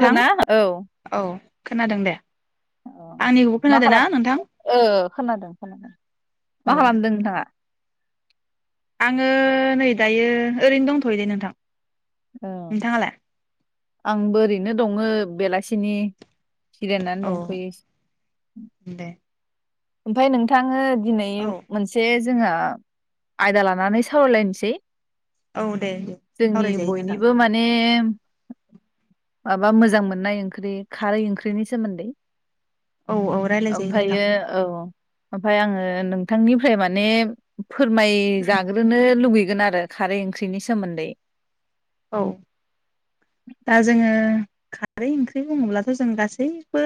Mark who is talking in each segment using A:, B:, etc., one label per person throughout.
A: आरो
B: थां
A: ना औ
B: औ खोनादों दे
A: औ
B: आंनिखौबो
A: मा
B: खोनादों ना
A: खालाम
B: नोंथां
A: ओ खोनादों खोनादों
B: औ
A: मा खालामदों नोंथाङा
B: आङो नै दायो ओरैनो दंथयो दे नोंथां
A: ओं
B: नोंथाङालाय?
A: आंबो ओरैनो दङो बेलासिनि जिरायनानै
B: औ
A: दंफैयो
B: दे
A: ओमफाय नोंथाङो दिनै
B: औ
A: मोनसे जोङो आयदा लानानै सावरायलायनोसै
B: औ दे दे
A: जोंनि
B: सावरायजायो नोंथां
A: बयनिबो माने माबा मोजां मोननाय ओंख्रि खारै ओंख्रिनि सोमोन्दै
B: औ औ रायलायजायो नोंथां
A: ओमफाय आङो नोंथांनिफ्राय माने फोरमाय जाग्रोनो लुगै गोन आरो खारै ओंख्रिनि सोमोन्दै
B: औ दा जोङो खारै ओंख्रि बुङोब्लाथ'जों गासैबो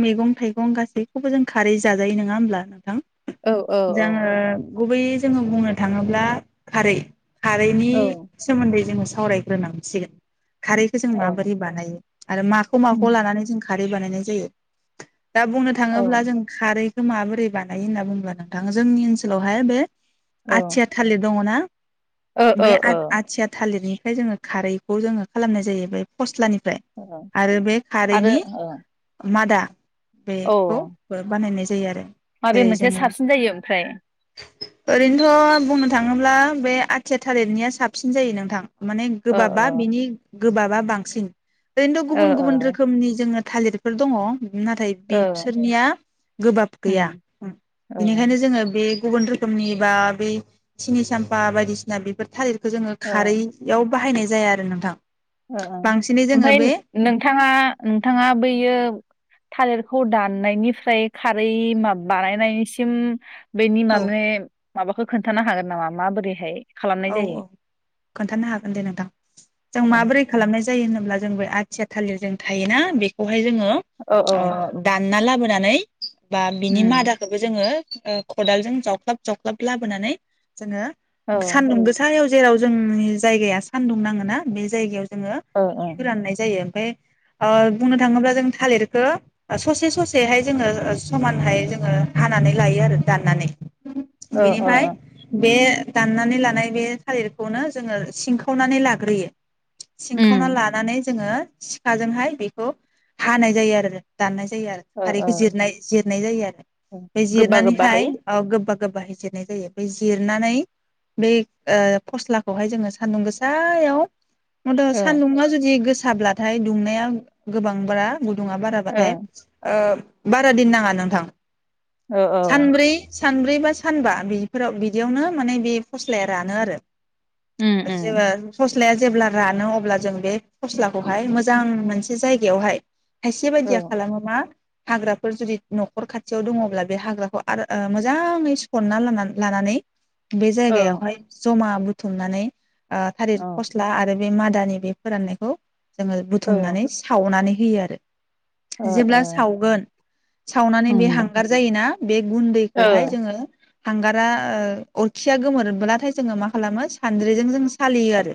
B: मैगं थाइगं गासैखौबो जों खारै जाजायो नङा होमब्ला नोंथां
A: औ औ औ
B: जोङो गुबै जोङो बुंनो थाङोब्ला खारै खारैनि सोमोन्दै जोङो सावरायग्रोनांसिगोन खारैखो जों
A: औ औ
B: माबोरै बानायो आरो माखौ
A: उम,
B: माखौ लानानै जों खा रै बानायनाय जायो दा बुंनो
A: औ
B: थाङोब्ला जों खारै माबोरै बानायो होनना बुङोब्ला नोंथां जोंनि ओनसोलावहाय बे
A: औ
B: आथिया थालिर दङ ना
A: ओ ओ
B: बे आ
A: ओ
B: आथिया थालिरनि ओमफ्राय जोङो खारैखौ जोङो खालामनाय जायो बे फस्लानि फ्राय
A: ओ
B: आरो बे
A: आरो
B: खारैनि
A: ओ
B: मादा
A: औ
B: बेखौ बानायनाय जायो जायो आरो
A: माबे
B: जेरै
A: मोनसेया
B: जोङो
A: साबसिन जायो ओमफ्राय
B: ओरैनोथ' बुंनो थाङोब्ला बे आथिया थालिरनिया साबसिन जायो नोंथां माने
A: ओ
B: गोबाबा
A: ओ
B: बिनि गोबाबा बांसिन ओरैनोथ'
A: ओ
B: गुबुन गुबुन
A: ओ
B: रोखोमनि जोङो थालिरफोर दङ नाथाय
A: ओ
B: बिसोरनिया गोबाब गैया
A: उम औ
B: बिनिखायनो
A: ओ
B: जोङो बे गुबुन रोखोमनि बा बै सिनि साम्फा बायदिसिना बिफोर थालिर खो जोङो खारैयाव बाहायनाय जाया आरो नोंथां।
A: ओ ओ
B: बांसिनै जोङो
A: ओमफाय
B: बे
A: नोंथाङा नोंथाङा बैयो थालिरखौ दाननायनिफ्राय खारै माब बानायनायनिसिम बेनि
B: औ
A: माने माबाखौ खोन थानो हागोन नामा माबोरैहाय खालामनाय
B: औ
A: जायो
B: औ खोन्थानो हागोन दे नोंथां जों
A: औ
B: माबोरै खालामनाय जायो होनोब्ला जों बो आथिया थालिरजों थायोना बेखौ हाय जोङो
A: औ औ
B: अ दा दानना लाबोनानै बा बिनि
A: उम
B: मादाखौबो जोङो ओ खदालजों जावख्लाब जावख्लाब लाबोनानै जोङो
A: औ ओ
B: सानदुं गोसायाव जेराव जोंनि जायगाया सानदुं नाङोना बे जायगायाव जोङो
A: ओ
B: फोराननाय जायो ओमफाय ओ बुंनो थाङोब्ला जों थालिरखो ओ ससे ससेहाय ओ जोङो समानहाय जोङो हानानै लायो आरो दाननानै
A: ओ
B: बेनिफाय
A: ओ
B: बे दाननानै लानाय बे थालिरखौनो जोङो सिंखावनानै लाग्रोयो सिंखावना
A: उम
B: लानानै जोङो सिखाजोंहाय बेखौ हानाय जायो आरो दाननाय जायो आरो
A: ओ
B: खारैखौ
A: ओ
B: जिरनाय जिरनाय जायो आरो बे
A: गोबा
B: जिरनानैहाय
A: गोबाहै
B: अ गोबाब गो बाहै जिरनाय जायो बे जिरनानै बै ओ फस्लाखौहाय जोङो सान्दुं गोसायाव [unintelligible]
A: ओ
B: सान्दुङा जुदि गोस थाब्लाथाय दुंनाया गोबां ब्रा गुदुङा
A: ओ
B: बाराबाथाय ओ बारा दिन नाङा नोंथां।
A: ओ औ
B: सानब्रै सानब्रै बा सानबा बिफोराव बिदियावनो माने बे फस्लाया रानो आरो
A: उम उम
B: जोङो सस फस्लाया जेब्ला रानो अब्ला जों बे फस्लाखौहाय मोजां मोनसे जायगायावहाय खायसे
A: औ
B: बायदिया खालामो मा हाग्राफोर जुदि न'खर खाथियाव दङब्ला बे हाग्राखौ आरो मोजाङै सुफनना ला लानानै बे
A: औ
B: जायगायावहाय जमा बुथुमनानै ओ थालिर
A: ओ
B: फस्ला आरो बे मादानि बे फोराननायखौ जोङो
A: ओ
B: बुथुमनानै सावनानै होयो आरो
A: ओ
B: जेब्ला सावगोन सावनानै बे हांगार जायोना बे गुन्दैखौहाय जोङो हांगारा ओ अरखिया गोमोरब्लाथाय जोङो मा खालामो सानद्रिजों जों सालियो आरो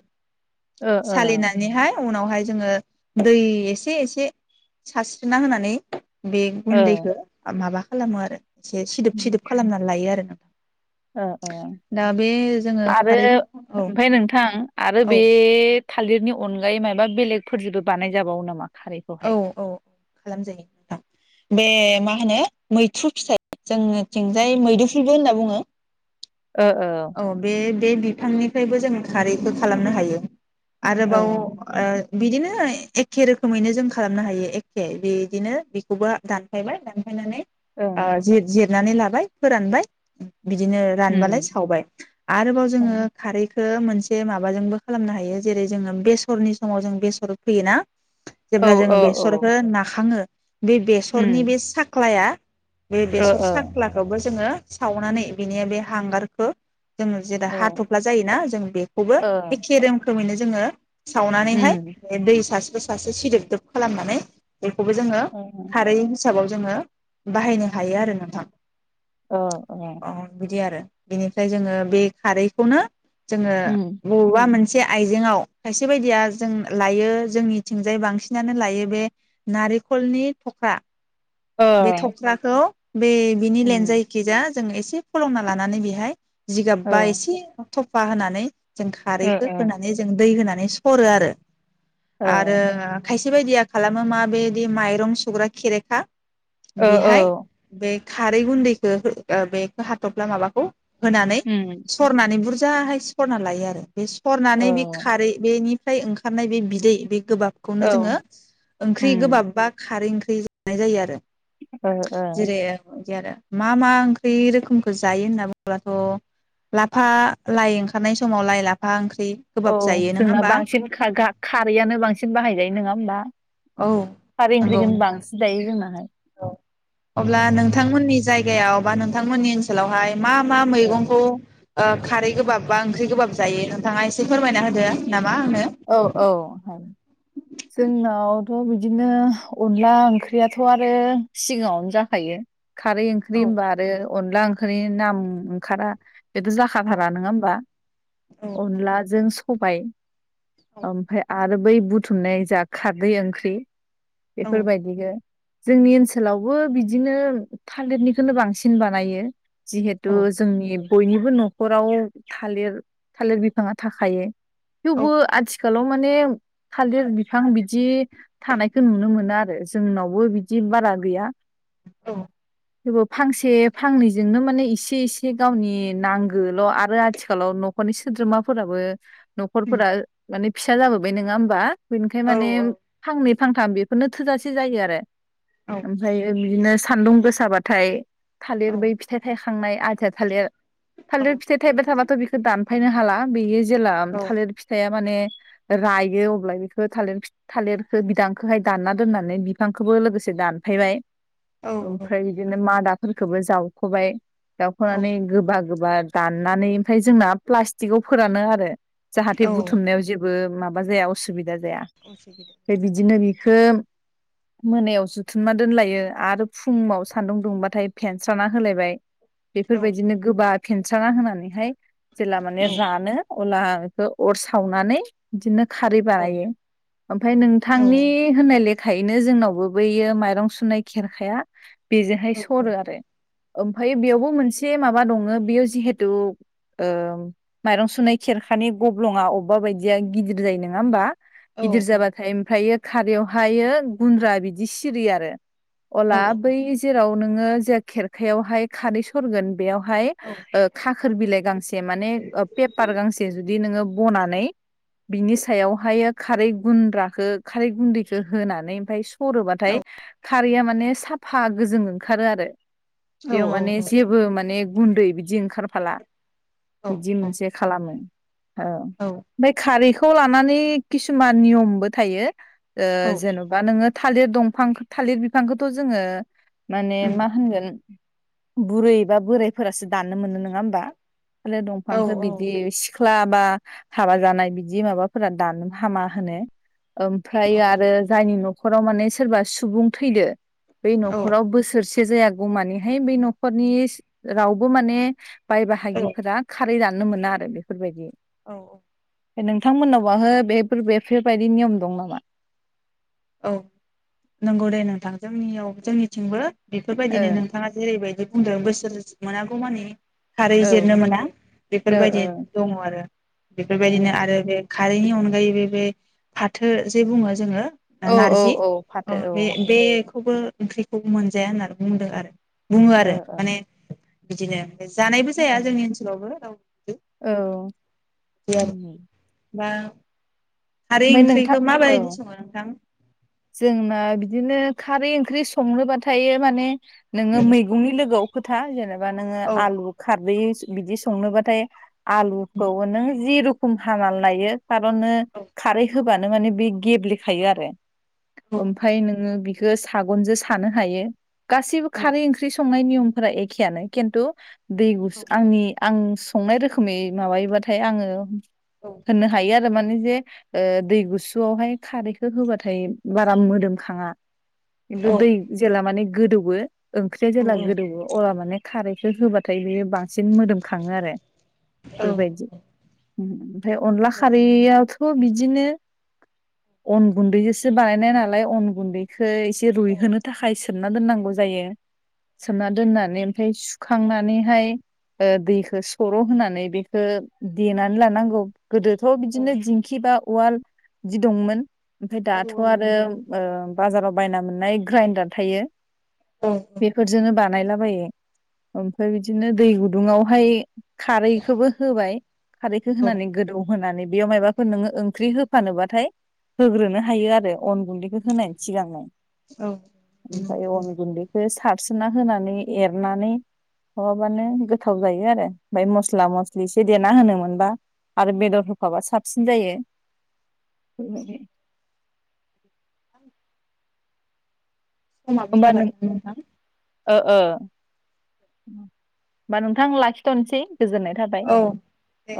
B: सालिनानैहाय उनावहाय जोङो दै एसे एसे सारस्रिना होनानै बे
A: ओ
B: गुन्दैखौ माबा खालामो आरो एसे सिदोब सिदोब खालामनानै लायो आरो नोंथां
A: ओ
B: दा बे जोङो
A: आरो
B: खारैखौ औ
A: ओमफ्राय नोंथां आरो
B: औ
A: बे थालिरनि अनगायै मायाबा बेलेगफोरजोंबो बानायजाबावो नामा
B: औ
A: खारैखौहाय
B: औ औ खालामजायो नोंथां बे मा होनो मैथ्रु फिसाइ जोंनिथिंजाय मैदुफुलबो होनना बुङो
A: ओ ओ
B: औ बे बे बिफांनिफ्रायबो जोंङो खारैखौ खालामनो हायो
A: ओ
B: आरोबाव बिदिनो एखे रोखोमैनो जों खालामनो हायो एखे बिदिनो बेखौबो दानफायबाय दानफायनानै
A: ओ
B: आ जिर जिर नानै लाबाय फोरानबाय बिदिनो
A: उम
B: रानबालाय आरोबाव जोङो खारैखौ खो मोनसे माबाजोंबो खालामनो हायो जेरै जोङो बेसरनि समाव जों बेसर फैयोना
A: औ
B: जेब्ला
A: औ
B: जोङो बेसरखौ
A: औ
B: नाखाङो बे बेसरनि
A: उम
B: बे साख्लाया बे
A: ओ
B: बेसर
A: ओ
B: साख्लाखौबो जोङो सावनानै बिनि बे हांगार खो जोङो जेेराव
A: ओ
B: हाथफ्ला जायोना जों बेखौबो
A: ओ
B: बे खेरें रोमैनो जोङो
A: उम
B: सावनानैहाय दै सासे सासे सिदोब दोब खालामनानै बेखौबो जोङो
A: ओ
B: खारै हिसाबाव जोङो बाहायनो हायो आरो नोंथां
A: ओ
B: अ बिदि आरो बिनिफ्राय जोङो बे खारैखौनो जोङो
A: उम
B: बबेबा मोनसे खायसे आइजेंआव खायसे बायदिया जों लायो जोंनिथिंजाय बांसिनानो लायो बे नारिेखलनि थख्रा बे
A: ओ
B: थख्राखौ बे बिनि
A: उम
B: लेनजायखिजा जोङ एसे फलंना लानानै बेहाय
A: औ
B: जिगाबबा
A: ओ
B: एसे सफा होनानै जों
A: ओ
B: खारैखौ होनानै जों दै होनानै नै सरो आरो
A: औ
B: आरो खायसे बायदिया खालामो मा बेदि माइरं सुग्रा खेरेखा
A: ओ औ
B: बेहाय बे खारै गुन्दैखौ बेखौ हाथब्ला माबाखौ होनानै
A: उम
B: सरनानै बुरज जाहाय सरना लायो आरो बे
A: औ
B: सरनानै बे खारै बेनि फ्राय ओंखारनाय बे बिदै बे
A: औ
B: गोबाबखौनो जोङो ओंख्रि
A: उम
B: गोबाब बा खारै ओंख्रि फ्रि जानाय जायो आरो
A: ओ ओ
B: जेरै बिदि आरो मा मा ओंख्रि रोखोमखौ जायो होनना बुङोबथ' लाफा लाइ ओंखारनाय समाव लाइ लाफा ओंख्रि
A: औ
B: गोबाब जायो नङा
A: जोंना
B: होमबा
A: बांसिन खा गा खारैआनो बांसिन बाहायजायो नोङा होमबा
B: औ
A: खारै
B: नंगौ
A: ओंख्रिखौनो
B: नोंथां
A: बांसिन जायो जोंनाहाय
B: औ अब्ला नोंथांमोननि जाय जायगायाव बा नोंथांमोननि ओनसोलावहाय मा मा मैगंखौ ओ खारै गोबाब बा ओंख्रि गोबाब जायो नोंथाङा एसे फोरमायना होदो ना
A: औ औ जोंनाव थ' बिदिनो अनला ओंख्रियाथ' आरो सिगाङावनो जाखायो खारै ओंख्रि
B: औ
A: होनबा आरो अनला ओंख्रि नाम ओंखारा बेथ'
B: औ
A: जाखाथारा नोङा होमबा
B: औ
A: अनलाजों सबाय ओमफ्राय आरो बै बुथुमनाय जा खारदै ओंख्रि
B: औ
A: बेफोरबायदिनो जोंनि ओनसोलावबो बिदिनो थालिरनिखौनो बांसिन बानायो जिहेतु
B: औ
A: जोंनि बयनिबो न'खराव थालिर थालिर बिफाङा थाखायो थेवबो आथिखालाव माने थालिर बिफां बिदि थानायखौ नुनो मोना आरो जोंनावबो बिदि बारा गैया
B: औ
A: जेबो फांसे फांनैजोंनो माने इसे इसे गावनि नांगोल' आरो आथिखालाव न'खरनि सोद्रोमाफोराबो न'खरफोरा माने फिसा जाबोबाय नोङा होमबा बेनिखाय माने फांनै फांथाम बेफोरनो थोजासे जायो आरो
B: औ
A: ओमफ्रायो बिदिनो सान्दुं गोसाबाथाय थालिर बै फिथाइ थाय खांनाय आथिया थालिर थालिर फिथाइ थाइबाया थाबाथ' बेखौ दान फायनो हाला बेयो जेला थालिर फिथाइआ माने रायो अब्ला बेखो थालिर थालिरखो बिदांखौहाय दानना दोननानै बिफांखोबो लोगोसे दानफायबाय ओमफ्राय बिदिनो मा दा फोरखोबो जावख'बाय दावख'नानै गोबा गोबा दाननानै ओमफ्राय जोंना प्लास्टिकआव फोरानो आरो जाहाथे
B: औ
A: बुध जेबो माबा जाया असुबि जा जाया फाय बिदिनो बि खो मोनायाव जुथुमना दोनलायो आरो फुुंआव सान्दुं दुंबाथाय फेेनस्राना होलायबाय
B: औ
A: बेफोरबायदिनो गोबाद फेनस्राना होनानैहाय जेला
B: औ
A: माने जानो अला इखो अर सा सावनानै इदिनो खारै बानायो ओमफ्राय नोंथांनि होननायले खायनो जोंनावबो बैयो माइरं सुनाय खेरखाया बेजोंहाय सरो आरो ओमफ्राय बेयावबो मोनसे माबा दङो बेयो जिहेथु ओ माइरं सुनाय खेरखानि गब्लङाव माबायदिया गिदिर जायो नङा होमबा गिदिर जाबाथाय ओमफ्रायो खारैयावहायो गुन्द्रा बिदि सिरि आरो अला बै जेराव नोङो जे खेरखायावहाय खारै सरगोन बेयाव हाय ओ खा खोर बिलाइ गांस से माने ओ पेपार गांसे जुद दि नोङो बना नै बिनि सायावहायो खारै गुनद्राखो खारै गुनदैखो होनानै औमफाय सु हरोबाथाय खारैया माने साफा गोजों ओंखारो आरो बेयाव माने जेबो माने गुन्दै बिदि ओंखारफाला बिदि मोनसे खालामो औ खारैखौ लानानै किसुमान नियमबो थायो ओ जेन'बा नोङो थालिर दंफां थालिर बिफांखौथ' जोङो माने मा होनगोन बुरै बा बोरायफोरासो दाननो मोनो नङा होमबा दंफांखौ बिदि सिख्ला बा हाबा जानाय बिदि माबाफोरा दाननो हामा होनो ओमफ्रायायो आरो जायनि न' न'खराव माने सोरबा सुबुं थैदों बै न'खराव बोसोरसे जायागौ मानिहाय बेै न'खरनि रावबो माने बाय बाहागिफोरा खारै जानो जानो मोना आरो बेफोरबायदि
B: औ औ
A: नोंथांमोननाव बाहो बेफोर बेफोरबायदि नियम दं नामा
B: औ नंगौ दे नोंथां जोंनियाव जोंनिथिंबो बेफोरबायदिनो नोंथाङा जेरैबायदि बुंदों बोसोर मोनागौ मानि खारै
A: ओ
B: जिरनो मोना
A: औ ओ
B: बेफोरबायदि दङ आरो बेफोरबायदिनो आरो बे खारैनि अनगायैबो बे फाथो जे बुङो जोङो
A: ओ औ औ
B: नारजि
A: औ
B: अ
A: फाथो
B: बे बे खौबो ओंख्रिखौ मोनजाया होननानै बुंदों आरो बुङो
A: औ ओ
B: आरो माने बिदिनो जानायबो जाया
A: ओं
B: जोंनि ओनसोलावबो रावबो
A: औ
B: बिदि आरो बा खारै
A: ओमफाय नोंथां
B: ओंख्रिखौ
A: औ
B: माबायदि सङो नोंथां
A: जोंना बिदिनो खारै ओंख्रि संनोबाथायो माने नोङो
B: औ
A: मैगंनि लोगोआव खोथा जेनबा नोङो
B: औ
A: आलु खारदै बिदि संनोबाथाय आलुखौ नों जिरु खम हानानै लायो कार'न नो
B: औ
A: खारै होबानो माने बे गेब्लेखायो आरो ओमफाय नोङो बि खो सागनजों सानो हायो। गासिबो
B: औ
A: खारै ओंख्रि स नाय निमफोरा एखेयानो किन्थु दै गुस आंनि आं संनाय रोखोमै माबायोबाथाय आङो
B: औ
A: होननो हायो आ [unintelligible] माने जे ओ दै गुसुआवहाय खारैखो होबाथाय बारा मोदोमखाङा।
B: औ
A: किनतु दै जेला माने गोदौवो ओंख्रिया जेला गोदौवो अला माने खारैखो होबाथाय बेयो बांसिन मोदोमखाङो आरो
B: औ
A: बेफोरबायदि उम उम ओमफ्राय अनला खारियावथ बिदिनो अन गुन्दैजोंसो बानायनाय नालाय अन गुन्दै ओ एसे रुइहोनो
B: औ
A: थाखाय सो सोमना दोननांगौ जायो सोमना दोननानै ओमफाय सुखांनानैहाय ओ दैखौ सर' होनानै बेखौ देनानै लानांगौ। गोदोथ' बिदिनो
B: औ
A: दिं बा उवाल जि दंमोन ओमफाय दाथ'
B: औ
A: आरो
B: नंगौ
A: ओ बाजाराव बायना मोननाय ग्राइन्डार थायो।
B: औ
A: बेफोरजोंनो बानायला बोइ ओमफ्राय बिदिनो दै गुदुंयावहाय खारैखौबो होबाय खारैखो होनानै गोदौ होनानै बेयाव मायबा फोर नोङो ओंख्रि होफानोबाथाय होग्रोनो हायो आरो अन गुन्दैखौ होनायनि सिगांनो।
B: औ नंगौ
A: ओमफायो
B: दे
A: अन गुन्दैखोस सारसोना होनानै एरनानै खोबाबानो गोथाव जायो आरो फाय मस्ला मस्लि एसे देना होनो मोनबा आरो बेदर होफाबा साब सिन जायो।
B: समाबो जाबाय
A: नों
B: नोंथां
A: ओ ओ होमबा नोंथां लाखि थ'नसै गोजोननाय थाबाय
B: औ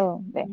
A: औ दे